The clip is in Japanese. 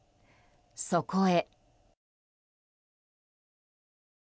そこへ。